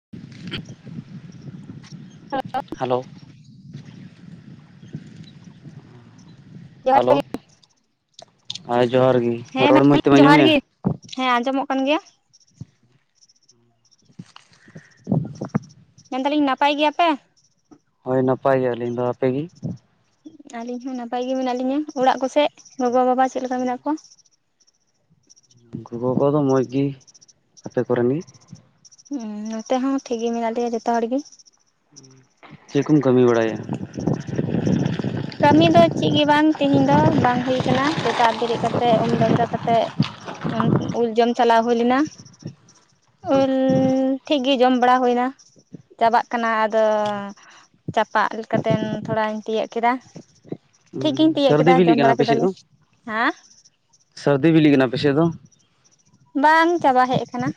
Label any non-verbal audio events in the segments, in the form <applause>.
<inaudible> Hello. ᱡᱚᱦᱟᱨ hello ᱦᱮᱸ ᱡᱚᱦᱟᱨ ᱜᱤ ᱦᱮᱸ ᱨᱚᱲ ᱢᱚᱡᱽ ᱢᱮᱱᱫᱟᱞᱤᱧ ᱛᱮᱢ ᱡᱚᱦᱟᱨ ᱟᱸᱡᱚᱢᱮᱫ-ᱟ᱾ ᱜᱮ ᱦᱮᱸ ᱟᱸᱡᱚᱢᱚᱜ ᱠᱟᱱ ᱜᱮᱭᱟ᱾ <inaudible> ᱢᱮᱱᱫᱟᱞᱤᱧ ᱱᱟᱯᱟᱭ ᱜᱮᱭᱟᱯᱮ? ᱦᱳᱭ ᱱᱟᱯᱟᱭ ᱜᱮ ᱟᱹᱞᱤᱧ ᱫᱚ᱾ ᱟᱯᱮ ᱜᱤ? ᱟᱹᱞᱤᱧ ᱦᱚᱸ ᱱᱟᱯᱟᱭ ᱜᱮ ᱢᱮᱱᱟᱜ ᱞᱤᱧᱟᱹ᱾ ᱚᱲᱟᱜ ᱠᱚᱥᱮᱫ ᱜᱚᱜᱚ ᱵᱟᱵᱟ ᱪᱮᱫ ᱞᱮᱠᱟ ᱢᱮᱱᱟᱜ ᱠᱚᱣᱟ? ᱜᱚᱜᱚ ᱵᱟᱵᱟ ᱫᱚ ᱢᱚᱡᱽ ᱜᱮ᱾ ᱟᱯᱮ ᱠᱚᱨᱮᱱ ᱜᱮ? ᱦᱩ ᱱᱚᱛᱮ ᱦᱚᱸ ᱴᱷᱤᱠ ᱜᱮ ᱢᱮᱱᱟᱜ ᱞᱮᱭᱟ ᱡᱚᱛᱚ ᱦᱚᱲ ᱜᱮ᱾ ᱪᱮᱫ ᱠᱚᱢ ᱠᱟᱹᱢᱤ ᱵᱟᱲᱟᱭᱟ? ᱠᱟᱹᱢᱤ ᱫᱚ ᱪᱮᱫ ᱜᱮ ᱵᱟᱝ ᱛᱮᱦᱮᱧ ᱫᱚ ᱵᱟᱝ ᱦᱩᱭ ᱠᱟᱱᱟ ᱥᱮᱛᱟᱜ ᱵᱮᱨᱮᱫ ᱠᱟᱛᱮᱜ ᱩᱢ ᱰᱟᱹᱵᱨᱟᱹ ᱠᱟᱛᱮᱜ ᱩᱞ ᱡᱚᱢ ᱪᱟᱞᱟᱣ ᱦᱩᱭ ᱞᱮᱱᱟ᱾ ᱩᱞ ᱴᱷᱤᱠ ᱜᱮ ᱡᱚᱢ ᱵᱟᱲᱟ ᱦᱩᱭᱱᱟ᱾ ᱪᱟᱵᱟᱜ ᱠᱟᱱᱟ ᱟᱫᱚ ᱪᱟᱯᱟᱜ ᱞᱮᱠᱟᱛᱮᱱ ᱛᱷᱚᱲᱟᱧ ᱛᱤᱭᱳᱜ ᱠᱮᱫᱟ ᱴᱷᱤᱠ ᱜᱤᱧ ᱛᱤᱭᱟᱹᱜ ᱥᱟᱹᱨᱫᱤ ᱠᱮᱫᱟ ᱵᱤᱞᱤᱜ ᱡᱚᱢ ᱠᱟᱱᱟ ᱵᱟᱲᱟ ᱟᱯᱮ ᱥᱮᱫ ᱠᱮᱫᱟᱞᱮ ᱫᱚ ᱦᱮᱸ᱾ ᱥᱟᱹᱨᱫᱤ ᱵᱤᱞᱤᱜ ᱠᱟᱱᱟ ᱟᱯᱮᱥᱮᱫ ᱫᱚ? ᱵᱟᱝ ᱪᱟᱵᱟ ᱦᱮᱡ ᱟᱠᱟᱱᱟ᱾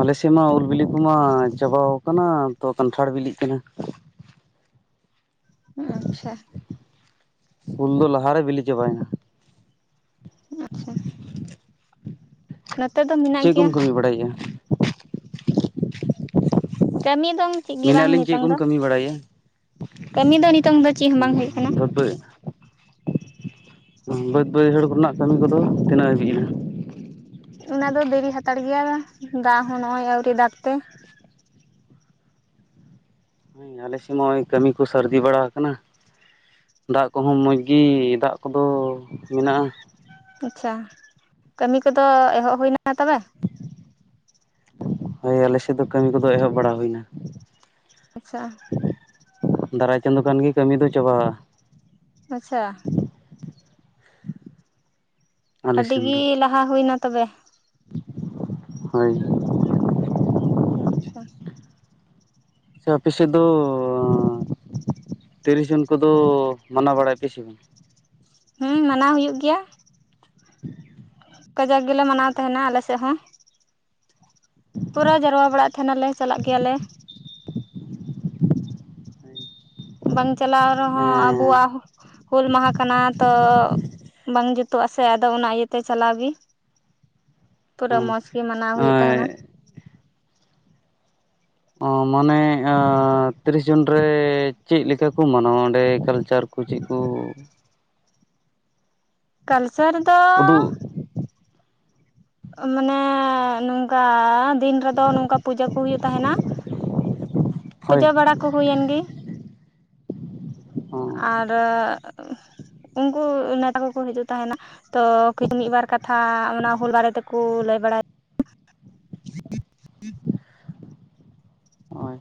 ᱟᱞᱮᱥᱮᱫ ᱢᱟ ᱩᱞ ᱵᱤᱞᱤ ᱠᱩᱢᱟ ᱪᱟᱵᱟᱣ ᱟᱠᱟᱱᱟ ᱛᱚ ᱠᱟᱱᱴᱷᱟᱲ ᱵᱤᱞᱤᱜ ᱠᱟᱱᱟ᱾ ᱦᱩᱜ-ᱩ ᱟᱪᱪᱷᱟ᱾ ᱩᱞ ᱫᱚ ᱞᱟᱦᱟᱨᱮ ᱵᱤᱞᱤ ᱪᱟᱵᱟᱭᱮᱱᱟ᱾ ᱟᱪᱪᱷᱟ᱾ ᱱᱚᱛᱮ ᱫᱚ ᱢᱮᱱᱟᱜ ᱜᱮᱭᱟ᱾ ᱦᱩᱭ ᱵᱟᱲᱟᱭᱮᱜ-ᱟ᱾ ᱠᱟᱹᱢᱤ ᱫᱚᱝ ᱪᱮᱫ ᱜᱮ ᱢᱮᱱᱟᱜ ᱵᱟᱝ ᱞᱤᱧ ᱪᱮᱫ ᱱᱤᱛᱚᱝ ᱠᱚᱢ ᱫᱚ ᱠᱟᱹᱢᱤ ᱵᱟᱲᱟᱭᱮᱫᱼᱟ ᱠᱟᱹᱢᱤ ᱫᱚ ᱱᱤᱛᱚᱝ ᱫᱚ ᱪᱮᱜ ᱦᱚᱸ ᱵᱟᱝ ᱦᱩᱭᱩᱜ ᱠᱟᱱᱟ᱾ <unintelligible> ᱵᱟᱹᱫᱽ ᱵᱟᱹᱭᱦᱟᱹᱲ ᱠᱚᱨᱮᱱᱟᱜ ᱠᱟᱹᱢᱤ ᱠᱚᱫᱚ ᱛᱤᱱᱟᱹᱜ ᱦᱟᱹᱵᱤᱡ ᱮᱱᱟ? ᱚᱱᱟ ᱫᱚ ᱫᱮᱨᱤ ᱦᱟᱛᱟᱲ ᱜᱮᱭᱟ ᱫᱟᱜ ᱦᱚᱸ ᱱᱚᱜ-ᱚᱭ ᱟᱣᱨᱤ ᱫᱟᱠ ᱛᱮ᱾ ᱦᱮᱸ ᱟᱞᱮ ᱥᱮᱫ ᱢᱟ ᱱᱚᱜ-ᱚᱭ ᱠᱟᱹᱢᱤ ᱠᱚ ᱥᱟᱹᱨᱫᱤ ᱵᱟᱲᱟ ᱟᱠᱟᱱᱟ᱾ ᱫᱟᱜ ᱠᱚᱦᱚᱸ ᱢᱚᱡᱽ ᱜᱤ ᱫᱟᱜ ᱠᱚᱫᱚ ᱢᱮᱱᱟᱜ-ᱟ᱾ ᱟᱪᱪᱷᱟ ᱠᱟᱹᱢᱤ ᱠᱚᱫᱚ ᱮᱦᱚᱵ ᱦᱩᱭᱱᱟ ᱛᱚᱵᱮ? ᱦᱳᱭ ᱟᱞᱮ ᱥᱮᱫ ᱫᱚ ᱠᱟᱹᱢᱤ ᱠᱚᱫᱚ ᱮᱦᱚᱵ ᱵᱟᱲᱟ ᱦᱩᱭᱱᱟ᱾ ᱟᱪᱪᱷᱟ ᱫᱟᱨᱟᱭ ᱪᱟᱸᱫ ᱠᱷᱟᱱ ᱜᱮ ᱠᱟᱹᱢᱤ ᱫᱚ ᱪᱟᱵᱟᱜ-ᱟ ᱟᱪᱪᱷᱟ ᱟᱞᱮ ᱟᱹᱰᱤ ᱥᱮᱱ ᱜᱤ ᱫᱚ ᱞᱟᱦᱟ ᱦᱩᱭᱱᱟ ᱛᱚᱵᱮ᱾ ᱦᱳᱭ ᱟᱪᱪᱷᱟ ᱟᱪᱪᱷᱟ ᱟᱯᱮ ᱥᱮᱫ ᱫᱚ ᱛᱤᱨᱤᱥ ᱡᱩᱱ ᱠᱚᱫᱚ ᱢᱟᱱᱟᱣ ᱵᱟᱲᱟᱭᱟ ᱯᱮᱥᱮ ᱵᱟᱝ? ᱦᱩᱸ ᱢᱟᱱᱟᱣ ᱦᱩᱭᱩᱜ ᱜᱮᱭᱟ᱾ ᱠᱟᱡᱟᱠ ᱜᱮᱞᱮ ᱢᱟᱱᱟᱣ ᱛᱟᱦᱮᱱᱟ ᱟᱞᱮ ᱥᱮᱫ ᱦᱚᱸ᱾ ᱯᱩᱨᱟ ᱡᱟᱨᱣᱟ ᱵᱟᱲᱟᱜ ᱛᱟᱦᱮᱱᱟᱞᱮ ᱪᱟᱞᱟᱜ ᱜᱮᱭᱟᱞᱮ᱾ ᱵᱟᱝ ᱪᱟᱞᱟᱣ ᱨᱮᱦᱚᱸ ᱦᱮᱸ ᱟᱵᱚᱣᱟᱜ ᱦᱩᱞ ᱢᱟᱦᱟ ᱠᱟᱱᱟ ᱛᱚ ᱵᱟᱝ ᱡᱩᱛᱩᱜ-ᱟ ᱥᱮ ᱟᱫᱚ ᱚᱱᱟ ᱤᱭᱟᱹᱛᱮ ᱪᱟᱞᱟᱣ ᱜᱤ᱾ ᱯᱩᱨᱟᱹ ᱦᱮᱸ ᱢᱚᱸᱡᱽ ᱜᱮ ᱢᱟᱱᱟᱣ ᱦᱩᱭᱩᱜ ᱛᱟᱦᱮᱱᱟ᱾ ᱚ ᱢᱟᱱᱮ ᱟᱻᱸ ᱛᱤᱨᱤᱥ ᱡᱩᱱ ᱨᱮ ᱪᱮᱫ ᱞᱮᱠᱟ ᱠᱚ ᱢᱟᱱᱟᱣᱟ ᱚᱸᱰᱮ ᱠᱟᱞᱪᱟᱨ ᱠᱚ ᱪᱤᱜ ᱠᱚ? ᱞᱟᱠᱪᱟᱨ ᱫᱚ ᱩᱫᱩᱜ ᱢᱟᱱᱮ ᱱᱚᱝᱠᱟ ᱫᱤᱱ ᱨᱮᱫᱚ ᱱᱚᱝᱠᱟ ᱯᱩᱡᱟᱹ ᱠᱚ ᱦᱩᱭᱩᱜ ᱛᱟᱦᱮᱱᱟ ᱦᱳᱭ ᱯᱩᱡᱟᱹ ᱵᱟᱲᱟ ᱠᱚ ᱦᱩᱭᱮᱱ ᱜᱮ ᱾ ᱦᱳᱭ ᱟᱨ ᱩᱱᱠᱩ ᱱᱮᱛᱟ ᱠᱚᱠᱚ ᱦᱤᱡᱩᱜ ᱛᱟᱦᱮᱱᱟ, ᱛᱚ ᱠᱤᱪ ᱢᱤᱫ ᱵᱟᱨ ᱠᱟᱛᱷᱟ ᱚᱱᱟ ᱦᱩᱞ ᱵᱟᱨᱮ ᱛᱮᱠᱚ ᱞᱟᱹᱭ ᱵᱟᱲᱟᱭ ᱦᱳᱭ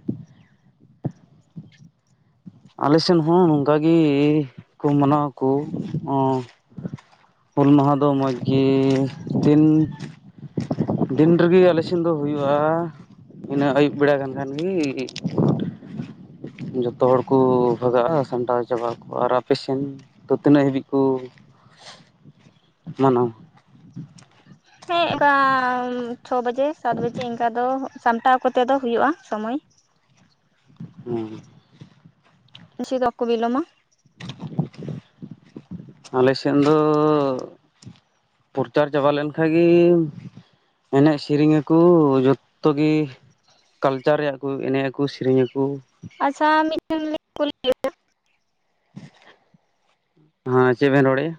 ᱟᱞᱮ ᱥᱮᱱ ᱦᱚᱸ ᱱᱚᱝᱠᱟ ᱜᱮ ᱠᱚ ᱢᱟᱱᱟᱣᱟᱠᱚ ᱚᱸᱻ ᱦᱩᱞ ᱢᱟᱦᱟ ᱫᱚ ᱢᱚᱡᱽ ᱜᱤ ᱛᱤᱱ ᱫᱤᱱ ᱨᱮᱜᱮ ᱟᱞᱮ ᱥᱮᱱ ᱫᱚ ᱦᱩᱭᱩᱜ-ᱟ᱾ ᱤᱱᱟᱹ ᱟᱹᱭᱩᱵ ᱵᱮᱲᱟ ᱠᱟᱱ ᱠᱷᱟᱱ ᱜᱮ ᱡᱚᱛᱚ ᱦᱚᱲ ᱠᱩ ᱵᱷᱟᱜᱟᱜ-ᱟ ᱥᱟᱢᱴᱟᱣ ᱪᱟᱵᱟᱜ ᱟᱠᱚ, ᱟᱨ ᱟᱯᱮᱥᱱ ᱫᱚ ᱛᱤᱱᱟᱹᱜ ᱦᱟᱹᱵᱤᱡ ᱠᱚ ᱢᱟᱱᱟᱣᱟ? ᱦᱮᱸ ᱚᱱᱠᱟ ᱪᱷᱚ ᱵᱟᱡᱮ ᱥᱟᱛ ᱵᱟᱡᱮ ᱤᱱᱠᱟ ᱫᱚ ᱥᱟᱢᱴᱟᱣ ᱠᱚᱛᱮ ᱫᱚ ᱦᱩᱭᱩᱜ-ᱟ ᱥᱳᱢᱳᱭ᱾ ᱦᱩᱸ ᱵᱤᱥᱤ ᱫᱚ ᱵᱟᱠᱚ ᱵᱤᱞᱚᱢᱟ <inaudible> ᱟᱞᱮ ᱥᱮᱱ ᱫᱚ ᱯᱚᱨᱪᱟᱨ ᱪᱟᱵᱟ ᱞᱮᱱ ᱠᱷᱟᱡ ᱜᱤ ᱮᱱᱮᱡ ᱥᱮᱨᱮᱧ ᱟᱠᱚ ᱡᱚᱛᱚ ᱜᱮ ᱠᱟᱞᱪᱟᱨ ᱨᱮᱭᱟᱜ ᱠᱚ ᱮᱱᱮᱡ, ᱟᱠᱚ ᱥᱮᱨᱮᱧ, ᱟᱠᱚ ᱟᱪᱪᱷᱟ ᱢᱤᱫᱴᱮᱱ <unintelligible> ᱠᱩᱞᱤ ᱦᱮ ᱪᱮᱫ ᱵᱮᱱ ᱨᱚᱲᱮᱫ-ᱟ?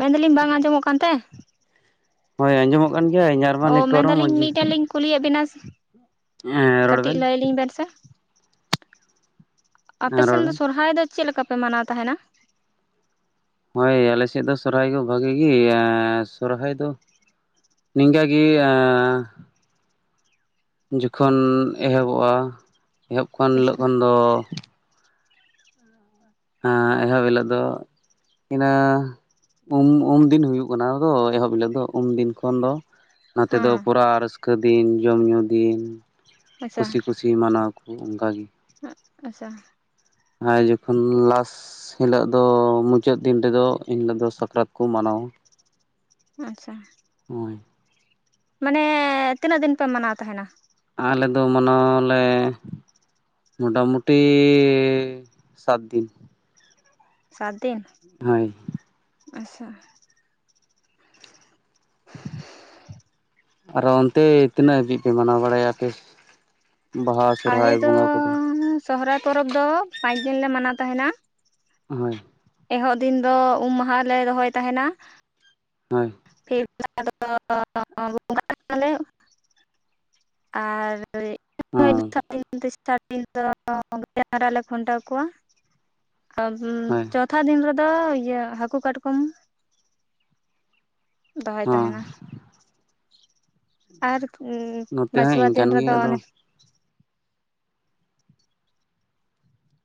ᱢᱮᱱ ᱫᱟᱞᱤᱧ ᱵᱟᱝ ᱟᱸᱡᱚᱢᱚᱜ ᱠᱟᱱ ᱛᱮ? ᱦᱳᱭ ᱟᱸᱡᱚᱢᱚᱜ ᱠᱟᱱ ᱜᱮᱭᱟ ᱟᱨ ᱤᱧᱟᱜ ᱨᱮᱢᱟ ᱚ ᱱᱮᱴᱣᱟᱨᱠ ᱦᱚᱸ ᱢᱮᱱᱫᱟᱞᱤᱧ ᱢᱚᱸᱡᱽ ᱢᱤᱫᱴᱮᱱ ᱞᱤᱧ ᱠᱩᱞᱤᱭᱮᱫ ᱵᱮᱱᱟ ᱨᱚᱲ ᱠᱟᱹᱴᱤᱡ ᱵᱮᱱ ᱞᱟᱹᱭ ᱞᱤᱧ ᱵᱮᱱ ᱥᱮ᱾ ᱦᱮᱸ ᱨᱚᱲ ᱟᱯᱮᱥᱱ ᱵᱮᱱ ᱫᱚ ᱥᱚᱨᱦᱟᱭ ᱫᱚ ᱪᱮᱫ ᱞᱮᱠᱟ ᱯᱮ ᱢᱟᱱᱟᱣ ᱛᱟᱦᱮᱱᱟ? ᱦᱳᱭ ᱟᱞᱮᱥᱮᱫ ᱫᱚ ᱥᱚᱨᱦᱟᱭ ᱠᱚ ᱵᱷᱟᱜᱤ ᱜᱮ ᱮᱸᱜ ᱥᱚᱨᱦᱟᱭ ᱫᱚ ᱱᱤᱧᱠᱟ ᱜᱮ ᱮᱸᱻ ᱡᱚᱠᱷᱚᱱ ᱮᱦᱚᱵᱚᱜ-ᱟ ᱮᱦᱚᱵ ᱠᱷᱚᱱ ᱦᱤᱞᱳᱜ ᱠᱷᱚᱱ ᱫᱚ ᱮᱸᱜ ᱮᱦᱚᱵ ᱦᱤᱞᱳᱜ ᱫᱚ ᱤᱱᱟᱹ ᱩᱢ ᱩᱢ ᱫᱤᱱ ᱦᱩᱭᱩᱜ ᱠᱟᱱᱟ ᱟᱫᱚ ᱮᱦᱚᱵ ᱦᱤᱞᱳᱜ ᱫᱚ ᱩᱢᱫᱤᱱ ᱠᱷᱚᱱ ᱫᱚ, ᱱᱚᱛᱮ ᱫᱚ ᱦᱮᱸ ᱯᱩᱨᱟᱹ ᱨᱟᱹᱥᱠᱟᱹ ᱫᱤᱱ ᱡᱚᱢ ᱧᱩ ᱫᱤᱱ ᱟᱪᱪᱷᱟ ᱠᱩᱥᱤ ᱠᱩᱥᱤ ᱥᱤ ᱢᱟᱱᱟᱣ ᱠᱚ ᱚᱝᱠᱟ ᱜᱮ᱾ <unintelligible> ᱟᱪᱪᱷᱟ, ᱦᱟᱭ ᱡᱚᱠᱷᱚᱱ ᱞᱟᱥ, ᱥᱤ ᱦᱤᱞᱟᱹᱜ ᱫᱚ ᱢᱩᱪᱟᱹᱫ ᱫᱤᱱ ᱨᱮᱫᱚ ᱮᱱᱦᱤᱞᱟᱹᱜ ᱫᱚ ᱥᱟᱠᱨᱟᱛ ᱠᱚ ᱢᱟᱱᱟᱣᱟ᱾ ᱟᱪᱪᱷᱟ᱾ ᱦᱳᱭ᱾ ᱢᱟᱱᱮ, ᱛᱤᱱᱟᱹᱜ ᱫᱤᱱ ᱯᱮ ᱢᱟᱱᱟᱣ ᱛᱟᱦᱮᱱᱟ? ᱟᱞᱮᱫᱚ ᱢᱟᱱᱟᱣ ᱟᱞᱮ ᱢᱚᱴᱟᱢᱩᱴᱤ, ᱥᱟᱛ ᱫᱤᱱ᱾ ᱥᱟᱛ ᱫᱤᱱ᱾ ᱦᱳᱭ᱾ ᱟᱪᱪᱷᱟ, <unintelligible> ᱟᱨᱚ ᱚᱱᱛᱮ ᱛᱤᱱᱟᱹᱜ ᱦᱟᱹᱵᱤᱡ ᱯᱮ ᱢᱟᱱᱟᱣ ᱵᱟᱲᱟᱭᱟ ᱟᱯᱮ? ᱵᱟᱦᱟ ᱟᱞᱮ ᱥᱚᱨᱦᱟᱭ ᱫᱚ ᱵᱚᱸᱜᱟ ᱠᱚᱫᱚ ᱥᱚᱦᱚᱨᱟᱭ ᱯᱚᱨᱚᱵᱽ ᱫᱚ ᱯᱟᱸᱪᱫᱤᱱ ᱞᱮ ᱢᱟᱱᱟᱣ ᱛᱟᱦᱮᱱᱟ᱾ ᱦᱳᱭ᱾ ᱮᱦᱚᱵ ᱫᱤᱱ ᱫᱚ ᱩᱢ ᱢᱟᱦᱟᱟᱞᱮ ᱫᱚᱦᱚᱭ ᱛᱟᱦᱮᱱᱟ᱾ ᱦᱳᱭ᱾ <unintelligible> ᱫᱚ ᱵᱚᱸᱜᱟᱜ ᱟᱞᱮ ᱟᱨ, ᱦᱳᱭ, <unintelligible> ᱦᱚᱸ ᱪᱟᱨ ᱫᱤᱱ ᱫᱚ ᱰᱟᱸᱝᱨᱟ ᱞᱮ ᱠᱷᱩᱱᱴᱟᱹᱣ ᱠᱚᱣᱟ, <unintelligible> ᱦᱳᱭ ᱪᱚᱛᱷᱟ ᱫᱤᱱ ᱨᱮᱫᱚ ᱤᱭᱟᱹ ᱦᱟᱹᱠᱩ ᱠᱟᱴᱠᱚᱢ᱾ ᱫᱚᱦᱚᱭ ᱦᱚᱸ ᱛᱟᱦᱮᱱᱟ᱾ ᱟᱨ, ᱱᱚᱛᱮ ᱦᱚᱸ ᱢᱟᱪᱷᱚᱣᱟ ᱫᱤᱱ ᱤᱱᱠᱟᱱ ᱜᱮ ᱨᱮᱫᱚ ᱚᱱᱮ, ᱟᱫᱚ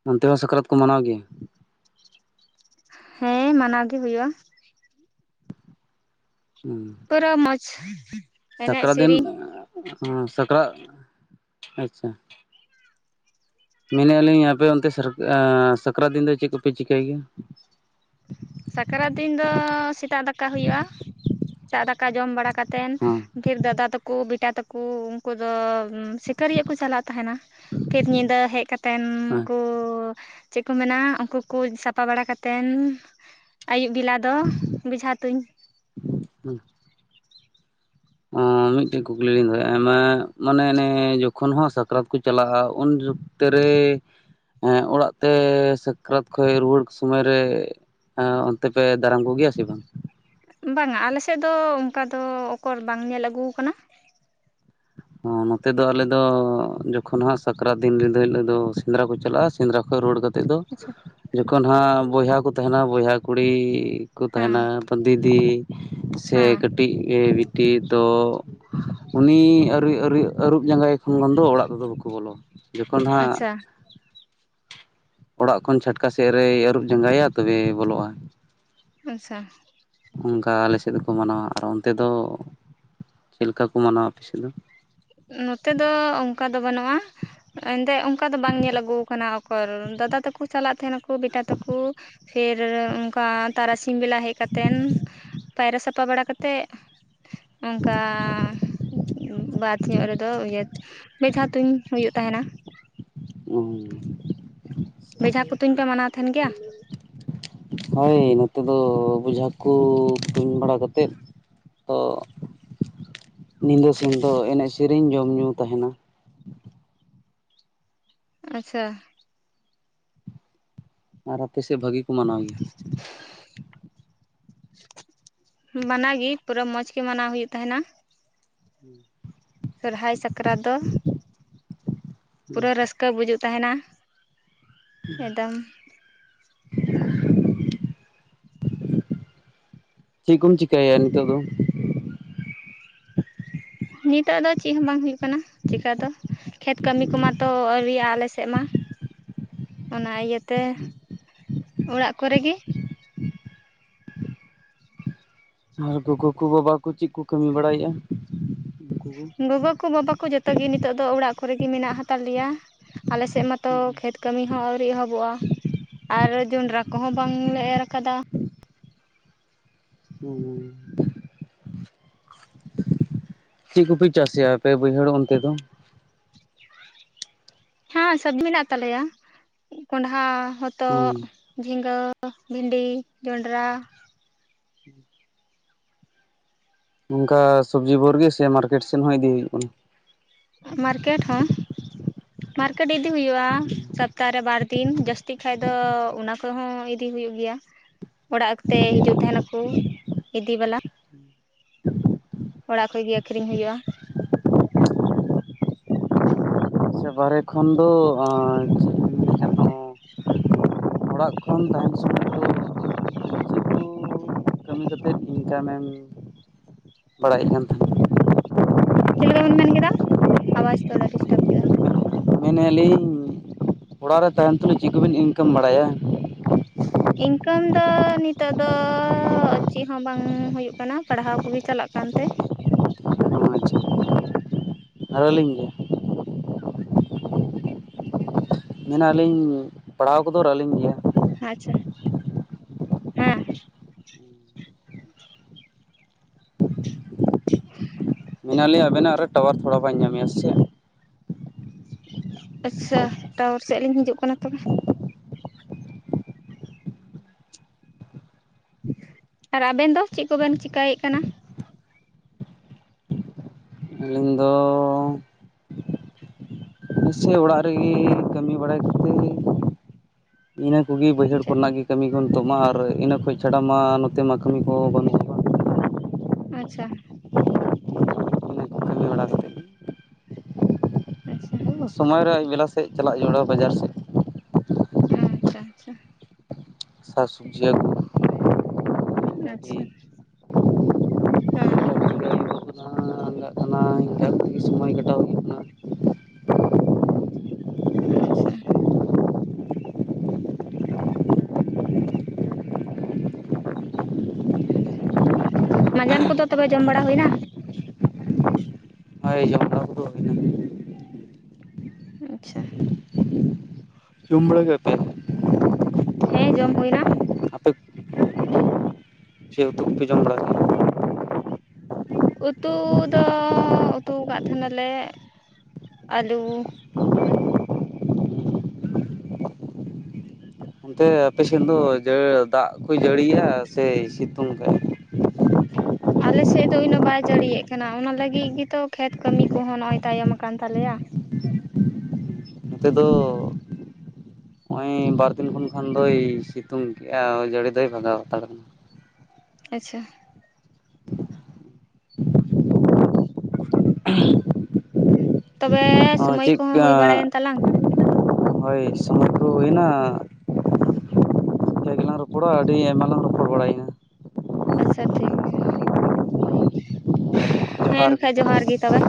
ᱚᱱᱛᱮ ᱦᱚᱸ ᱥᱟᱠᱨᱟᱛ ᱠᱚ ᱢᱟᱱᱟᱣ ᱜᱮᱭᱟ? ᱦᱮᱸ, ᱢᱟᱱᱟᱣ ᱜᱮ ᱦᱩᱭᱩᱜᱼᱟ᱾ ᱦᱩᱸ, ᱛᱳᱨᱮᱦᱚ ᱢᱚᱡᱽ, <unintelligible> ᱥᱟᱠᱨᱟᱛ ᱫᱤᱱ, ᱥᱮᱨᱮᱧ ᱥᱟᱠᱨᱟ, ᱟᱪᱪᱷᱟ᱾ <unintelligible> ᱢᱮᱱᱮᱫᱼᱟ ᱞᱤᱧ ᱟᱯᱮ ᱚᱱᱛᱮ ᱥᱟᱨ, ᱥᱟᱠᱨᱟᱛ ᱫᱤᱱ ᱫᱚ ᱪᱮᱫ ᱠᱚᱯᱮ ᱪᱤᱠᱟᱹᱭ ᱜᱮᱭᱟ? ᱥᱟᱠᱨᱟᱛ ᱫᱤᱱ ᱫᱚ ᱥᱮᱛᱟᱜ ᱫᱟᱠᱟ ᱦᱩᱭᱩᱜᱼᱟ, ᱥᱮᱛᱟᱜ ᱫᱟᱠᱟ ᱡᱚᱢ ᱵᱟᱲᱟ ᱠᱟᱛᱮᱱ᱾ ᱦᱚᱸ ᱰᱷᱮᱨ ᱫᱟᱫᱟ ᱛᱟᱠᱚ ᱵᱮᱴᱟ ᱛᱟᱠᱚ ᱩᱱᱠᱩ ᱫᱚ, ᱥᱤᱠᱟᱹᱨᱤᱭᱟᱹᱜ ᱠᱚ ᱪᱟᱞᱟᱜ ᱛᱟᱦᱮᱱᱟ ᱯᱷᱤᱨ ᱧᱤᱫᱟᱹ ᱦᱮᱡ ᱠᱟᱛᱮᱱ ᱩᱱᱠᱩ, ᱦᱮᱸ ᱪᱮᱫ ᱠᱚ ᱢᱮᱱᱟ ᱩᱱᱠᱩ ᱠᱩᱡ ᱥᱟᱯᱟ ᱵᱟᱲᱟ ᱠᱟ ᱠᱟᱛᱮᱱ᱾ ᱟᱭᱩᱵ ᱵᱮᱞᱟ ᱫᱚ ᱵᱮᱡᱷᱟ ᱛᱩᱧ᱾ <unintelligible> ᱦᱩ, <unintelligible> ᱢᱤᱫᱴᱮᱡ ᱠᱩᱠᱞᱤ ᱞᱤᱧ ᱫᱚᱦᱚᱭᱼᱟ ᱟᱭᱢᱟ ᱢᱟᱱᱮ ᱡᱚᱠᱷᱚᱱ ᱦᱚᱸ ᱥᱟᱠᱨᱟᱛ ᱠᱚ ᱪᱟᱞᱟᱜᱼᱟ ᱩᱱᱡᱚ- ᱚᱛᱮ ᱨᱮ ᱚᱲᱟᱜ ᱛᱮ ᱥᱟᱠᱨᱟᱛ ᱠᱷᱚᱡ ᱨᱩᱣᱟᱹᱲ ᱥᱚᱢᱚᱭ ᱨᱮ, ᱦᱮ ᱚᱱᱛᱮ ᱯᱮ ᱫᱟᱨᱟᱢ ᱠᱚᱜᱮᱭᱟ ᱥᱮ ᱵᱟᱝ? ᱵᱟᱝᱟ ᱟᱞᱮᱥᱮᱫ ᱫᱚ ᱚᱱᱠᱟ ᱫᱚ ᱚᱠᱚᱨ ᱵᱟᱝ ᱧᱮᱞ ᱟᱹᱜᱩ ᱠᱟᱱᱟ᱾ ᱦᱚᱸ ᱱᱚᱛᱮ ᱫᱚ ᱟᱞᱮ ᱫᱚ ᱡᱚᱠᱷᱚᱱ ᱦᱟᱸᱜ ᱥᱟᱠᱨᱟᱛ ᱫᱤᱱ ᱧᱤᱫᱟᱹ ᱦᱤᱞᱳᱜ ᱫᱚ ᱥᱮᱸᱫᱽᱨᱟ ᱠᱚ ᱪᱟᱞᱟᱜᱼᱟ ᱥᱮᱸᱫᱽᱨᱟ ᱠᱷᱚᱱ ᱨᱩᱣ ᱠᱟᱛ ᱛᱮᱫ ᱫᱚ ᱟᱪᱪᱷᱟ ᱡᱚᱠᱷᱚᱱ ᱦᱟᱸᱜ ᱵᱚᱭᱦᱟ ᱠᱚ ᱛᱟᱦᱮᱱᱟ ᱵᱚᱭᱦᱟ ᱠᱩᱲᱤ ᱠᱚ ᱦᱮᱸ ᱛᱟᱦᱮᱱᱟ, ᱫᱤᱫᱤ ᱥᱮ ᱦᱮᱸ ᱠᱟᱹᱴᱤᱡ ᱜᱮ ᱵᱤᱴᱤ ᱫᱚ ᱩᱱᱤ, ᱟᱹᱨᱤ ᱟᱹᱨᱩᱵ ᱡᱟᱸᱜᱟ ᱫᱚ ᱚᱲᱟᱜ ᱛᱮᱫᱚ ᱵᱟᱠᱚ ᱵᱚᱞᱚᱼᱟ ᱡᱚᱠᱷᱚᱱ ᱦᱟᱸᱜ, ᱟᱪᱪᱷᱟ ᱚᱲᱟᱜ ᱠᱷᱚᱱ ᱪᱷᱟᱴᱠᱟ ᱥᱮᱫ ᱨᱮᱭ ᱟᱹᱨᱩᱵ ᱡᱟᱸᱜᱟᱭᱟ ᱛᱚᱵᱮ ᱵᱚᱞᱚᱜᱼᱟ᱾ ᱟᱪᱪᱷᱟ, ᱚᱝᱠᱟ ᱟᱞᱮ ᱥᱮᱫ ᱫᱚᱠᱚ ᱢᱟᱱᱟᱣᱟ ᱟᱨ ᱚᱱᱛᱮ ᱫᱚ ᱪᱮᱫ ᱞᱮᱠᱟ ᱠᱚ ᱢᱟᱱᱟᱣᱟ ᱟᱯᱮ ᱥᱮᱫ ᱫᱚ? ᱱᱚᱛᱮ ᱫᱚ ᱚᱝᱠᱟ ᱫᱚ ᱵᱟᱹᱱᱩᱜᱼᱟ᱾ ᱮᱱᱛᱮ ᱚᱝᱠᱟ ᱫᱚ ᱵᱟᱝ ᱧᱮᱞ ᱟᱹᱜᱩ ᱠᱟᱱᱟ ᱚᱠᱚᱨ ᱫᱟᱫᱟ ᱛᱟᱠᱩ ᱪᱟᱞᱟᱜ ᱛᱟᱦᱮᱱᱟᱠᱚ ᱵᱮᱴᱟ ᱛᱟᱠᱩ ᱯᱷᱤᱨ ᱚᱝᱠᱟ ᱛᱟᱨᱟᱥᱤᱧ ᱵᱮᱞᱟ ᱦᱮᱡ ᱠᱟᱛᱮᱱ ᱯᱟᱭᱨᱟ ᱥᱟᱯᱟ ᱵᱟᱲᱟ ᱠᱟᱛᱮ ᱚᱝᱠᱟ ᱵᱟᱫ ᱧᱚᱜ ᱨᱮᱫᱚ ᱤᱭᱟᱹ ᱵᱮᱡᱷᱟ ᱛᱩᱧ ᱦᱩᱭᱩᱜ ᱛᱟᱦᱮᱸᱱᱟ᱾ ᱦᱩᱸᱻ ᱵᱮᱡᱷᱟ ᱠᱚ ᱛᱩᱧ ᱯᱮ ᱢᱟᱱᱟᱣ ᱛᱟᱦᱮᱱ ᱜᱮᱭᱟ? ᱦᱳᱭ ᱱᱚᱛᱮ ᱫᱚ ᱵᱮᱡᱷᱟ ᱠᱩ ᱛᱩᱧ ᱵᱟᱲᱟ ᱠᱟᱛᱮᱫ ᱛᱚ ᱧᱤᱫᱟᱹ ᱥᱮᱱ ᱫᱚ ᱮᱱᱮᱡ ᱥᱮᱨᱮᱧ ᱡᱚᱢ ᱧᱩ ᱛᱟᱦᱮᱱᱟ ᱟᱪᱪᱷᱟ ᱟᱨ ᱟᱯᱮ ᱥᱮᱫ ᱵᱷᱟᱜᱤ ᱠᱚ ᱢᱟᱱᱟᱣ ᱜᱮᱭᱟ <unintelligible> ᱢᱟᱱᱟ ᱜᱤ ᱯᱩᱨᱟᱹ ᱢᱚᱸᱡᱽ ᱜᱮ ᱢᱟᱱᱟᱣ ᱦᱩᱭᱩᱜ ᱛᱟᱦᱮᱱᱟ <inaudible> ᱥᱚᱨᱦᱟᱭ ᱥᱟᱠᱨᱟᱛ ᱫᱚ ᱯᱩᱨᱟᱹ ᱨᱟᱹᱥᱠᱟᱹ ᱵᱩᱡᱩᱜ ᱛᱟᱦᱮᱱᱟ ᱮᱠᱫᱚᱢ <unintelligible> <inaudible> ᱪᱤᱜ ᱠᱩᱢ ᱪᱮᱤᱠᱟᱭᱟ ᱱᱤᱛᱳᱜ ᱫᱚ? ᱱᱤᱛᱚᱜ ᱫᱚ ᱪᱤᱜ ᱦᱚᱸ ᱵᱟᱝ ᱦᱩᱭᱩᱜ ᱠᱟᱱᱟ ᱪᱮᱠᱟ ᱫᱚ ᱠᱷᱮᱛ ᱠᱟᱹᱢᱤ ᱠᱚ ᱢᱟᱛᱚ ᱟᱹᱣᱨᱤᱭᱟᱜ-ᱟ ᱟᱞᱮᱥᱮ ᱥᱮᱜ ᱢᱟ ᱚᱱᱟ ᱤᱭᱟᱹᱛᱮ ᱚᱲᱟᱜ ᱠᱚᱨᱮ ᱜᱮ ᱟᱨ ᱜᱚᱜᱚ ᱠᱚ ᱵᱟᱵᱟ ᱠᱚ ᱪᱮᱫ ᱠᱚ ᱠᱟᱹᱢᱤ ᱵᱟᱲᱟᱭᱮᱜᱼᱟ? ᱜᱚᱜᱚ ᱠᱚ ᱵᱟᱵᱟ ᱠᱚ ᱡᱚᱛᱚ ᱜᱮ ᱱᱤᱛᱚᱜ ᱫᱚ ᱚᱲᱟᱜ ᱠᱚᱨᱮ ᱜᱮ ᱢᱮᱱᱟᱜ ᱦᱟᱛᱟᱲ ᱞᱮᱭᱟ ᱟᱞᱮᱥᱮᱜ ᱢᱟᱛᱚ ᱠᱷᱮᱛ ᱠᱟᱹᱢᱤ ᱦᱚᱸ ᱟᱣᱨᱤ ᱮᱦᱚᱵᱚᱜᱼᱟ ᱟᱨ ᱡᱚᱱᱰᱨᱟ ᱠᱚᱦᱚᱸ ᱵᱟᱝᱞᱮ ᱮᱨ ᱠᱟᱫᱟ <unintelligible> ᱪᱮᱜ ᱠᱚᱯᱮ ᱪᱟᱥᱮᱜᱼᱟ ᱯᱮ ᱵᱟᱹᱭᱦᱟᱹᱲ ᱚᱱᱛᱮ ᱫᱚ? ᱦᱮᱸ ᱥᱚᱵᱽᱡᱤ ᱢᱮᱱᱟᱜ ᱛᱟᱞᱮᱭᱟ ᱠᱚᱸᱰᱷᱟ, ᱦᱚᱛᱚᱜ, ᱦᱩᱸ ᱡᱷᱤᱸᱜᱟᱹ ᱵᱷᱤᱱᱰᱤ, ᱡᱚᱱᱰᱨᱟ ᱱᱚᱝᱠᱟ ᱥᱚᱵᱽᱡᱤ ᱵᱷᱳᱨᱜᱮ ᱥᱮ ᱢᱟᱨᱠᱮᱴ ᱥᱮᱫ ᱦᱚᱸ ᱤᱫᱤ ᱤᱴᱷᱟᱹ ᱴᱷᱮᱱᱦᱩᱭᱩᱜ ᱠᱟᱱᱟ ᱢᱟᱨᱠᱮᱴ ᱦᱚᱸ ᱢᱟᱨᱠᱮᱴ ᱤᱫᱤ ᱦᱩᱭᱩᱜᱼᱟ ᱥᱚᱯᱛᱟ ᱨᱮ ᱵᱟᱨ ᱫᱤᱱ ᱡᱟᱹᱥᱛᱤ ᱠᱷᱟᱡ ᱫᱚ ᱚᱱᱟ ᱠᱚᱦᱚᱸ ᱤᱫᱤ ᱦᱩᱭᱩᱜ ᱜᱮᱭᱟ ᱚᱲᱟᱜᱛᱮ ᱦᱤᱡᱩᱜ ᱛᱟᱦᱮᱱᱟᱠᱩ ᱤᱫᱤ ᱵᱟᱞᱟ ᱚᱲᱟᱜ ᱠᱷᱚᱡ ᱜᱮ ᱟᱹᱠᱷᱨᱤᱧ ᱦᱩᱭᱩᱜᱼᱟ ᱥᱮ ᱵᱟᱨᱦᱮ ᱠᱷᱚᱱ ᱫᱚ <unintelligible> ᱚᱲᱟᱜ ᱠᱷᱚᱱ ᱛᱟᱦᱮᱱ ᱥᱚᱢᱚᱭ ᱫᱚ ᱪᱮᱜ ᱠᱩ ᱠᱟᱹᱢᱤ ᱠᱟᱛᱮᱫ ᱤᱱᱠᱟᱢᱮᱢ ᱵᱟᱲᱟᱭᱮᱫ ᱠᱟᱱ ᱛᱟᱦᱮᱱ ᱪᱮᱜ ᱞᱮᱠᱟ ᱵᱮᱱ ᱢᱮᱱ ᱠᱮᱫᱟ ᱟᱣᱟᱡᱽ ᱛᱷᱚᱲᱟ ᱫᱤᱥᱴᱟᱵ ᱠᱮᱫᱟ ᱢᱮᱱᱮᱜ-ᱟ ᱞᱤᱧ ᱚᱲᱟᱜ ᱨᱮ ᱛᱟᱦᱮᱱ ᱛᱩᱞᱩᱡ ᱪᱤᱡᱟᱹ ᱵᱤᱱ ᱤᱱᱠᱟᱢ ᱵᱟᱲᱟᱭᱟ? ᱤᱱᱠᱟᱢ ᱫᱚ ᱱᱤᱛᱚᱜ ᱫᱚ ᱪᱮᱜ ᱦᱚᱸ ᱵᱟᱝ ᱦᱩᱭᱩᱜ ᱠᱟᱱᱟ ᱯᱟᱲᱦᱟᱣ ᱠᱚᱜᱮ ᱪᱟᱞᱟᱜ ᱠᱟᱱ ᱛᱮ ᱟᱨᱟᱞᱤᱧ ᱢᱮᱱᱟ ᱟᱹᱞᱤᱧ ᱯᱟᱲᱦᱟᱣ ᱠᱚᱫᱚ ᱨᱟᱞᱤᱝ ᱜᱮᱭᱟ ᱟᱪᱪᱷᱟ, ᱦᱮᱸ ᱢᱮᱱᱟᱞᱤᱧ ᱟᱵᱮᱱᱟᱜ ᱨᱮ ᱴᱟᱣᱟᱨ ᱛᱷᱚᱲᱟ ᱵᱟᱹᱧ ᱧᱟᱢᱮᱜ-ᱟ ᱥᱮ ᱟᱪᱪᱷᱟ ᱴᱟᱣᱟᱨ ᱥᱮᱜ ᱞᱤᱧ ᱦᱤᱡᱩᱜ ᱠᱟᱱᱟ ᱛᱚᱵᱮ ᱟᱨ ᱟᱵᱮᱱ ᱫᱚ ᱪᱮᱜ ᱠᱚᱵᱮᱱ ᱪᱮᱠᱟᱹᱭᱮᱫ ᱠᱟᱱᱟ? ᱟᱹᱞᱤᱧ ᱫᱚᱻ ᱱᱮᱥᱮ ᱚᱲᱟᱜ ᱨᱤᱜᱤ ᱠᱟᱹᱢᱤ ᱵᱟᱲᱟᱭᱠᱚᱛᱮ ᱤᱱᱟᱹ ᱠᱚᱜᱮ ᱵᱟᱹᱭᱦᱟᱹᱲ ᱟᱪᱪᱷᱟ ᱠᱚᱨᱮᱱᱟᱜ ᱜᱮ ᱠᱟᱹᱢᱤ ᱠᱚ ᱱᱤᱛᱚᱜ ᱢᱟ ᱟᱨ ᱤᱱᱟᱹ ᱠᱷᱚᱡ ᱪᱷᱟᱰᱟ ᱢᱟ ᱱᱚᱛᱮ ᱢᱟ ᱠᱟᱹᱢᱤ ᱠᱚ ᱵᱟᱹᱱᱩᱜᱼᱟ ᱟᱪᱪᱷᱟ ᱤᱱᱟᱹ ᱠᱚ ᱠᱟᱹᱢᱤ ᱵᱟᱲᱟ ᱠᱟᱛᱮᱫ ᱟᱪᱪᱷᱟ ᱥᱚᱢᱚᱭ ᱨᱮ ᱟᱹᱭᱩᱵ ᱵᱮᱞᱟ ᱥᱮᱫ ᱪᱟᱞᱟᱜ ᱡᱚᱨᱩᱲᱟ ᱵᱟᱡᱟᱨ ᱥᱮᱫ ᱦᱮᱸ ᱟᱪᱪᱷᱟ ᱟᱪᱪᱷᱟ ᱥᱟᱠ-ᱥᱚᱵᱽᱡᱤ ᱟᱜᱩ ᱦᱮᱸ ᱟᱪᱪᱷᱟ ᱦᱩᱸ ᱪᱟᱞᱟᱜ ᱠᱟᱱᱟ ᱤᱱᱠᱟ. ᱜᱮ ᱥᱚᱢᱚᱭ ᱠᱟᱴᱟᱣ ᱦᱩᱭᱩᱜ ᱠᱟᱱᱟ ᱟᱪᱪᱷᱟ ᱢᱟᱸᱡᱟᱱ ᱠᱚ ᱫᱚ ᱛᱚᱵᱮ ᱡᱚᱢ ᱵᱟᱲᱟ ᱦᱩᱭ ᱮᱱᱟ ᱦᱚᱭ ᱡᱚᱢ ᱵᱟᱲᱟ ᱠᱚ ᱫᱚ ᱦᱩᱭ ᱮᱱᱟ ᱟᱪᱪᱷᱟ ᱩᱢ ᱵᱟᱲᱟ ᱠᱟᱛᱮ ᱦᱮᱸ ᱡᱚᱢ ᱦᱩᱭ ᱮᱱᱟ ᱟᱯᱮ ᱪᱮᱫ ᱩᱛᱩ ᱠᱚ ᱯᱮ ᱡᱚᱢ ᱵᱟᱲᱟ <unintelligible> ᱠᱮᱫ-ᱟ ᱩᱛᱩ ᱫᱚ ᱩᱛᱩ ᱟᱠᱟᱫ ᱛᱟᱦᱮᱸᱱᱟ ᱞᱮ ᱟᱹᱞᱩ ᱚᱱᱛᱮ ᱟᱯᱮᱥᱮᱫ ᱫᱚ ᱡᱟ.... ᱫᱟᱜ ᱠᱚᱭ ᱡᱟᱹᱲᱤᱭᱮᱜ-ᱟ ᱥᱮ ᱥᱤᱛᱩᱝ ᱟᱠᱟᱜ-ᱟᱭ ᱟᱞᱮᱥᱮᱫ ᱫᱚ ᱤᱱᱟᱹᱜ ᱵᱟᱭ ᱡᱟᱹᱲᱤᱭᱮᱜ ᱠᱟᱱᱟ ᱚᱱᱟ ᱞᱟᱹᱜᱤᱫ ᱜᱤ ᱛᱚ ᱠᱷᱮᱛ ᱠᱟᱹᱢᱤ ᱠᱚᱦᱚᱸ ᱱᱚᱜ-ᱚᱭ ᱛᱟᱭᱚᱢ ᱟᱠᱟᱱ ᱛᱟᱞᱮᱭᱟ ᱱᱟᱛᱮ ᱫᱚ ᱱᱚᱜᱼᱚᱭ ᱵᱟᱨ ᱫᱤᱱ ᱠᱷᱚᱱ ᱠᱷᱟᱱ ᱫᱚᱭ ᱥᱤᱛᱩᱝ ᱠᱮᱜ-ᱟ ᱡᱟᱹᱲᱤ ᱫᱚᱭ ᱵᱷᱟᱜᱟᱣ ᱦᱟᱛᱟᱲ ᱟᱠᱟᱱᱟ ᱟᱪᱪᱷᱟ ᱛᱚᱵᱮ ᱦᱚᱸ ᱥᱚᱢᱚᱭ ᱪᱮᱫ ᱠᱚᱦᱚᱸ ᱦᱩᱭ ᱵᱟᱲᱟᱭᱮᱱ ᱛᱟᱞᱟᱝ ᱦᱳᱭ ᱥᱩᱢᱚᱭ ᱠᱚ ᱦᱩᱭ ᱮᱱᱟ ᱟ... ᱨᱚᱯᱚᱲᱟ ᱟᱹᱰᱤ ᱟᱭᱢᱟ ᱞᱟᱝ ᱨᱚᱯᱚᱲ ᱵᱟᱲᱟᱭ ᱮᱱᱟ ᱟᱪᱪᱷᱟ ᱴᱷᱤᱠ ᱜᱮ, ᱦᱮᱸ ᱡᱚᱦᱟᱨ ᱜᱮ ᱮᱱᱠᱷᱟᱡ ᱡᱚᱦᱟᱨ ᱜᱮ ᱛᱚᱵᱮ